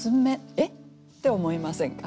「えっ？」って思いませんか？